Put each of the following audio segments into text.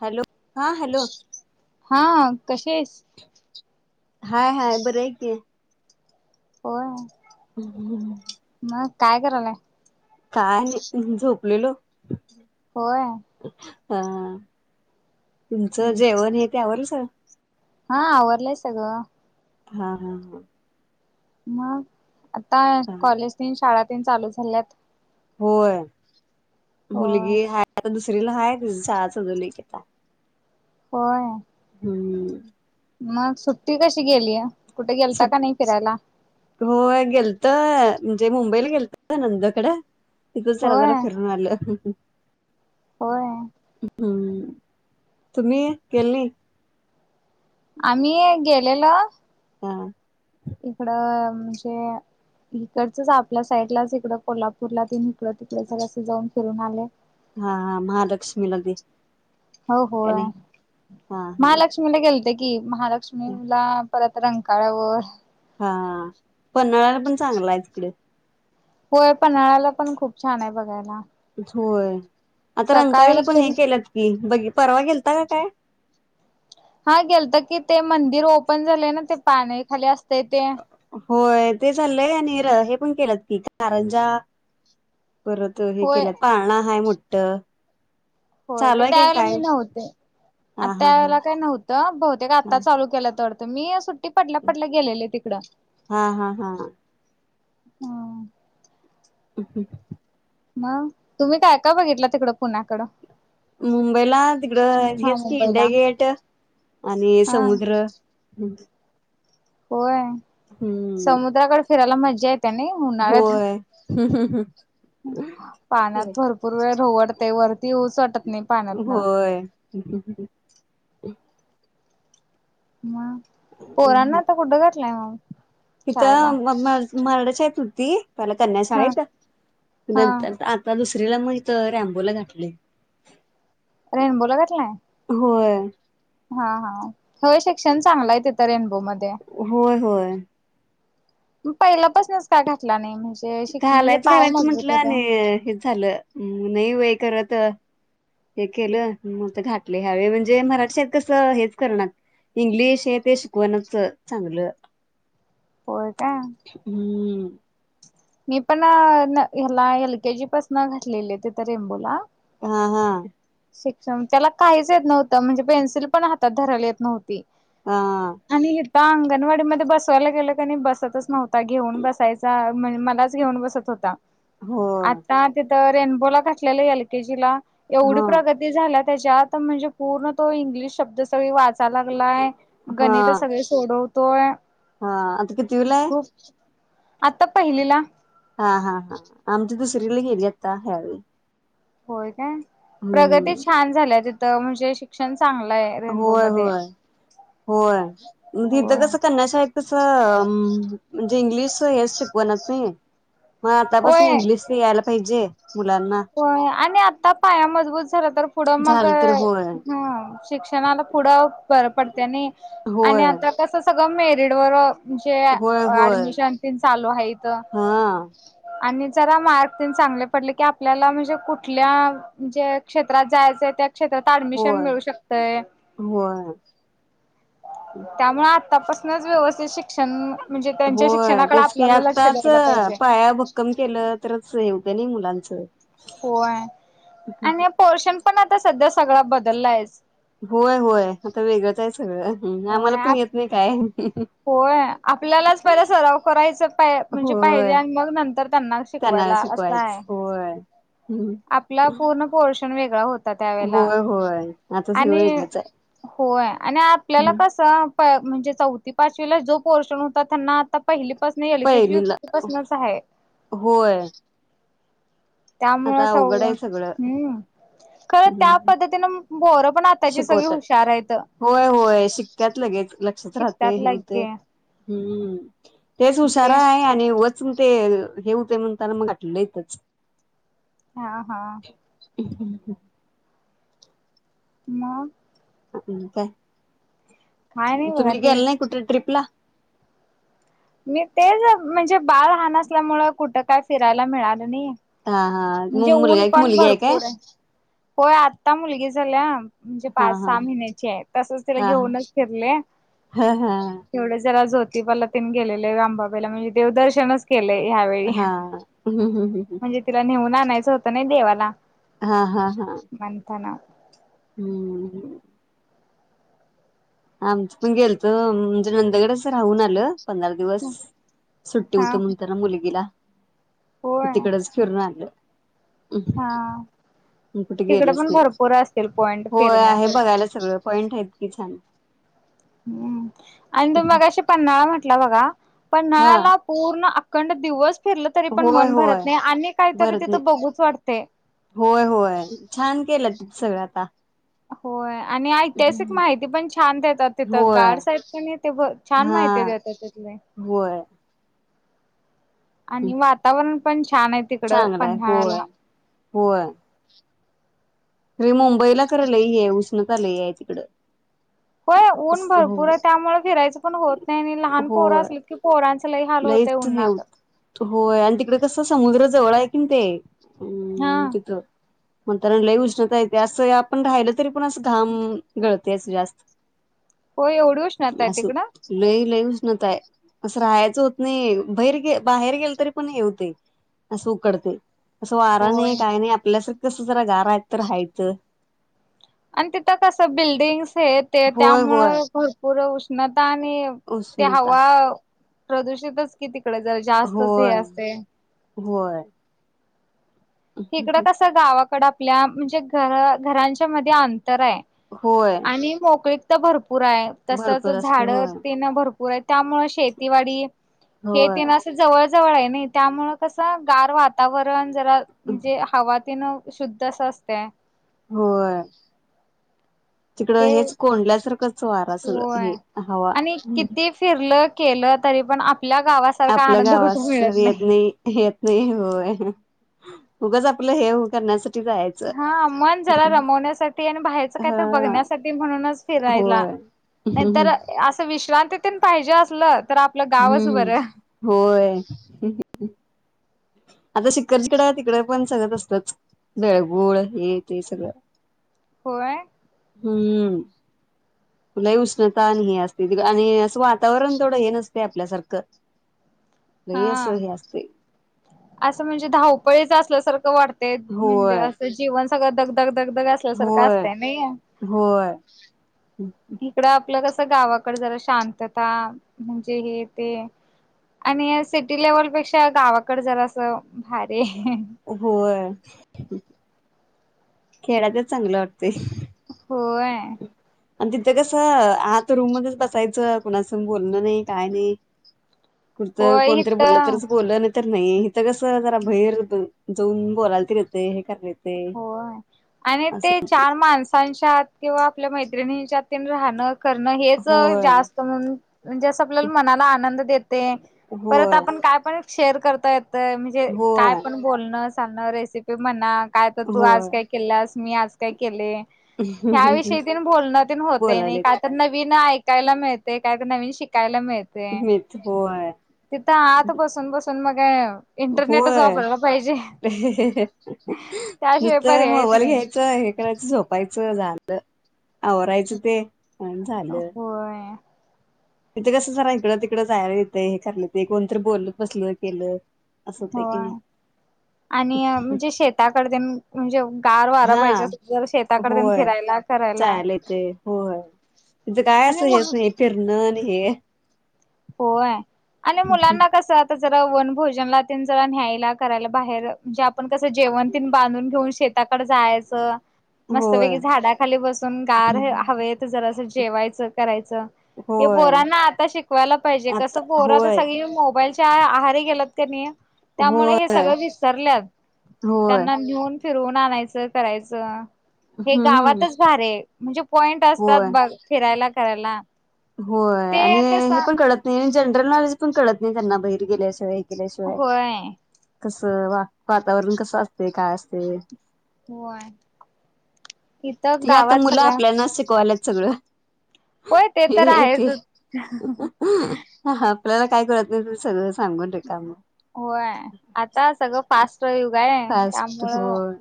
Hello हा hello हा कसे आहेस हाय हाय बरं आहेेत आहे हो हम्म मग काय करालाय काय झोपलेलो होय हा तुमचं जेवण हे त्यावरच हा आवरलंय सगळं हा हा ह मग आता हा हा कॉलेज शाळात चालू झाल्यात होय होय मुलगी हाय आता दुसरीला हाय त शाळा सजली कता हो हम्म मग सुट्टी कशी गेली कुठे गेलता का नाही फिरायला हो गेलतय म्हणजे मुंबईला गेलत नंदकड तिथच चला होय जरा फिरून आलं होय हम्म तुम्ही केलं नाही आम्हीये गेलेलो हा इकडं म्हणजे इकडचच आपल्या साईडलाच इकडं कोल्हापूरला तीन इकडं तिकडेस जाऊन फिरून आले हा हा महालक्ष्मी मधे हो होय हा हा महालक्ष्मीला गेलते की महालक्ष्मीला परत रंकाळ्यावर हा पन्हाळ्याला पण चांगलाय तिकडे हो पन्हाळ्याला पण खूप छान आय बगायला होय आता रंकाळ्याला पण गेल हे केल्यात की बघी परवा गेलता का काय हा गेलतो कि ते मंदिर ओपन झालंय ना ते पाणी खाली असतय ते होय ते चाललंय आणि र हे पण केलंत की कारंजा परत त हे होय केलं पाळणां हाय मोट होय [unintelligible] त्यावेेळेला मी नव्हते आ हा हा त्या हा वेळेला काय नव्हतं बहुते का आत्ता चाल केलं तरत मीट टी पडल्या पडल्या गेलेले तिकड हा हा हा हा. [unintelligible] मग तुम्ही काय का बघितला तिकडं पुण्याकडं मुंबईला तिकडं हा हेच की मुंबईला इंडिया गेट आणि हा समुद्र हम्म होय हम्म समुद्राकडे फिरायला मजा येते आणि होय पाण्यात भरपूर वेळ राहू वाटतयं वरती येऊच वाटत नाही पाण्यातन होय म पोरांना आता कुट घातलाय मग शाळेला तिथं म मरडच य होती त्याला कन्या हा शाळेत हा नंतर आ आता दुसरीला मग तर रमबोला घातली रेनबोला गातलाय होय हा हा हो शिक्षण चांगलाय तित रेनबो मध्ये होय होय पहिल्यापासूनच काय घातला नाइ घालायच घालायचं म्हंटलं आणि हेच झालं नइ वय करत हे केलं मग ते घाटले ह्यावे म्हणजे मराठी शाेत कस हेच करणार इंग्लिश हे ते शिकवणचं चांगलं होय का हम्म मी पण ह्याला एलकेजी पसन घातलेली तीत रेम्बोला हा हा शिक्षण त्याला काहीच येत नव्हत म्हणजे पेन्सिल पण हात धरायला येत नव्हं हा [unintelligible] अंगणवाडीमदे बसवायला गेलं कनी बसतच नव्हता घेऊन बसायचा म्हण मला घेऊन बसत होता होय आता तित रेनबोला घातलं एल केजी ला एवढी हा प्रगती झाल्या त्याच्यात म्हणजे पूर्ण तो इंग्लिश शब्द सगळी वाच लागलाय हा गणित सगळे सोडवतोय हा आता कितवीला आहे खूप आता पहिलीला हा हा हा आमच्या दुसरीकडे गेली आता ह्यावेळी होय काय प्रगती हम्म छान झाल्या तित म्हणजे शिक्षण चांगलंय होय रेनबोमदे होय तिथं कसं कनशा आहेत कसं म्हणजे इंग्लिश हे शिकवण नाही मग आतापासून होय इंग्लिश ते यायला पाहिजे मुलांना हो आणि आता पाया मजबूत झाला तर पुढं मग झालं तर होय ह शिक्षणाला पुढं बर पडते आणि होय तसं सगळं मेरिड वर ते होय होय ऍडमिशन प चालू आहे इथ हा आणि जरा मार्कन चांगले पडले की आपल्याला म्हणजे कुठल्या जे क्षेत्रात जायचंय त्या क्षेत्रात अऍडमिशन होय मिळू शकतय होय त्यामुळे आतापासूनच व्यवस्थित शिक्षण म्हणजे त्यांच्या होय शिक्षणाकडे आपल्याला लक्ष द्यायला पाहिजे कम केलं तरच हेवगं नाही मुलांचं होय आणि पोर्शन पण आता सध्या सगळा बदललायच होय होय आता वेगळंच आहे सगळं होय आम्हाला पण आप येत नाही काय होय आपल्यालाच पहिला सराव करायच पा म्हणजे पाहिजे होय आणि मग नंतर त्यांना त्यांना शिकवायला असं शिकवायच आय होय आपला पूर्ण पोर्षण वेगळा होत त्यावेळेला होय होय आता सगळं आणि वेगळंच आहे होय आणि आपल्याला कस म्हणजे चौथी पाचवीला जो पोर्शन होता त्यांना आता पहिली पाासन येलुकेची पहिलीला कपासनच आहे होय त्यामुळ आता अस अवघड आहे सगळं हम्म खरं त्या पद्धतीनं बोरं पण आताची सगळी शिकवतात. हुशार आहेतेत होय होय शिक्क्यात लगेच लक्षात राहतय शिकतात हेवतंय लागे हम्म तेच ते हुशारा आहे आणि वच ग ते हे होते म्हणताना मग घटलंच ह हा एक मग काय काय नाही बघा तुम्ही गेल नाही तेच कुठे ट्र्रीप ला मी तेच म्हणजे बाळ हान असल्यामु कुठं काय फिरायला मिळालं नाही हा हा म्हणजे मग मुलगा ऊन एक पण मुलगी काय? भरपूर आहे होय आता मुलगी झाल्या म्हणजे हा पाच हा सहा महिन्याची आहे तसच तिला हा घेऊनच फिरले हा एवढं जरा जोतीिबाला तिन गेलेले आहे रामबाबाेला म्हणजे देवदर्शनच केले यावे हा् तिला नेऊन आणायचं होतं ना देवाला हा हा हा मनंतन हम्म आमच पण गेल तर म्हणजे नंदगडच राहून आलं पंधरा दिवस सुट्टी हा होत म्हणत ना मुलगीला होय कती कडेच कवरूनल हा कुठे तिकडे गेलच पण नाही भरपूर असतील पॉइंट होय आहे फिरण्यासारखे बघायला सगळं पॉईंट आहेतत ककी छान हम्म आणि तुम्ही बघशी पन्हाळा म्हंटला बघा हा पन्हाळा्याला पूर्ण अखंड दिवस फिरलं तरी पण होय मन भरत होय नाही आणि काहीतरी भरत नाही तिथं बघूच वाटते होय होय छान केलं तिथ सगळं आता होय आणि ऐतिहासिक माहिती पण छान देतात तिथं होय गार्डस आहेत पण ते छान हा माहिती देतात तु आहे. होय आणि वातावरण पण छान आहे. तिकड चांगलाय होय पन्हाळ्याला होय. तरी मुंबईला क ल ह आहे उष्णत आलं आहे तिकड होय ऊन भरपूर आहे त्यामुळे फिरायचं पण होत नाही लहान पोरं होय असलं की. पोरांच लय हाल होतेय लईच हे होत. उन्हात होय आणि तिकडे कस समुद्र जवळ आहे कि ते अ हा तिथ म्हण तरण लई उष्णता येते असं आपण राहिलं तरी पण अस घाम गळते असं जास्त. होय एवढी उष्णता आहे अस तिकडं? लई लइ उष्णता हाय. असं राहायचं होत नाही बहीर बाहेर गेल तरी पण हे होते असं उकडते. असं वारं होय. नाही काय नाही आपल्यासारखं कसं जरा गारा आहे तर राहायचं. आणि तिथं कस बिल्डिंग्स हे ते होय त्यामु होय. भरपूर उष्णता आणि त्या उष्णता हवा प्रदूषितच कि तिकडे जर जास्तच हे होय असते. होय इकडं कसं गावाकड आपल्या म्हणजे घर घरांच्या मध्ये अंतर आहे होय मी मोकळी तर भरपूर आहे तसच भरपूर असते झाड होय ते ना भरपूर पुर त्यामुळे शेतीवाडी होय. हेना जवळ जवळ आहे नाही त्यामुळेळ कसं गार वातावरण जरा म्हणजे हवा तीन शुद्ध असं असते होय. तिकडं ते हेच कोंडल्यासारखंच वार असल. होय हे हवा आणि किती फिरलं केलं तरी पण आपल्या गावास आपल्या गावास येत नाही. येत नाही होय उगच आपलं हे करण्यासाठी जायचं. हा मन झाला रमवण्यासाठी आणि बाहेरचं काय तर हा बघण्यासाठी म्हणूनच फिरायला. नाहीतर ह. असं विश्रांतीतून पाहिजे असलं तर. गावच हम्म बरं होय आता शिक्खरजकडे आहे तिकडे पण सगळत असतात. नळगुळ हे ते सगळं होय. हम्म तुलाही उष्णता आणि हे असते आणि असं वातावरण थोडं हे नसते आपल्यासारखं नाही अस हा हे असते असं म्हणजे धावपळीच असल्यासारखं वाटतय होय म्हणजे. जीवन सगळ दगधग दगधग अस. होय होय. इकडं आपलं कसं गावाकड झालं शांतता म्हणजे हे ते. आणि सिटी लेव्हल पेक्षा गावाकड जरा असं भारी. होय खेळाचच चांगलं वाटते होय आणि तिथं कसं आता रूम मध्येच बसायचं कुणासं बोलणं नाही काय नाही. कुठतं होय कोणतरी बोललं इथं तरच बोललं. तर नाही हेिथं कस जरा बैर जाऊन बोलायला त येत हे करेत हो आणि ते चार माणस ांत किंवा आपल्या मैत्रिणीच्या त राहणं करणं हेच होय जास्त म्हणजे अस आपल्याला मनाला आनंद देते परत होय आपण काय पण शेअर करता येतय म्हणजे काय होय पण बोलणं चालणं रेसिपी म्हणा काय तर तू आज होय काय केलंस मी आज काय केले ह विषयी त बोलण होत नाही का बोलालेत तर नवीन ऐकायला मिळते काय तर नवीन शिकायला मिळते ते मीच होय तिथं आहता बसून बसून मग इंटरनेटच होय वापरला पाहिजे त्याशिवाय नुसतं पर्यायच मोबाईल नाही घ्यायचं हे करायचं झोपायचं झालं आवरायचं ते आणि पय तिथं कसं झारा इकडं तिकडं जायला येतं हे खलं ते कोणतरी बोलल बसलं केलं असं होतंय की होय नाही आणि म्हणजे शेताकड म्हणजे गार वारा हा पाहिजे जर शेताकड होय फिरायला करायला तिचं काय आणि असं हेच लहान नाही फिरणं आणि हे होय आणि मुलांना कसं आता जरा वनभोजनला त जरा न्यायला करायला बाहेर म्हणजे आपण कसं जेवण तन बांधून घेऊन शेताकडे जायचं होय मस्तपैकी झाडाखाली बसून गार हवेत जरा अस जेवायचं करायचं. हे होय पोरांना आता शिक ला पाहिजे कसं आता पोहर तर होय सगळी मोबाईलच्या आहारी गेलात क नाही त्यामुळे हे होय सगळं विसरले होय त्यांना नेऊन. फिरवून आणायचं करायचं हे हम्म गावातच भार आहे म्हणजे पॉइंट होय. असतात फिरायला करायला होय आणि ते कस हे पण कळत नाही जनरल नॉलेज पण कळत नाही त्यांना बाहीर गेलेशवा केल्याशिवाय होय कस वा वातावरण कसं असते काय असते होय इथं गावात सगळ्या कॉलेज सगळं होय ते तर हे आहेच ते ह आपल्याला काय करत नाही त सगळं सांगून ठका मग होय आता सगळं फास्ट युग आहे फास्ट त्यामुळं होय.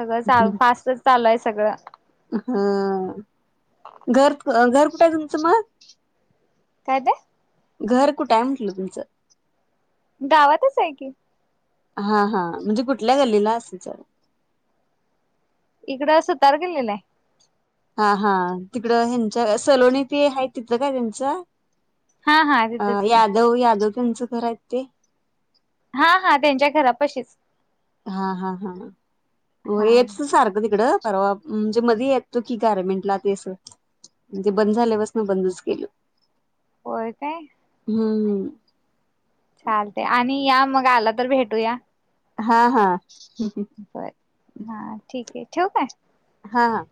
सगळं ल फास्टच चालूय सगळं हा घर घर कुठे तुमचं मग कायद घर कुठ आहे म्हटलं तुमचं गावातच आहे की हा हा म्हणजे कुठल्या गल्लीला असेल सर इकडं सुतार गेलेलं आहे हा हा तिकडं ह्यांच्या सलोणी ते आहेत तिथ काय त्यांचं हा हा अ तिथंच की यादव यादव त्यांचं घर आहेत ते हा हा त्यांच्या घरापशीच हा हा हा हा हेच सारखं तिकडं परवा म्हणजे मध्ये येतो की गारमेंटला ते अस म्हणजे बंद झाल्या बस ना बंदच गेल हो काय हम्म हम् चाल ते आणि या मग आला तर भेटूया हा हा बर हा ठीक आहे ठेव काय हा हा